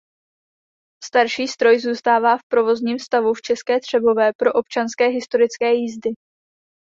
Starší stroj zůstává v provozním stavu v České Třebové pro občasné historické jízdy.